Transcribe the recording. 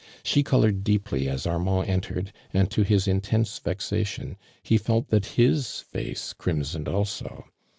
•Slie colored deeply ns Armand entered, and to his intense vexation he felt that his i'ace crimsoned also.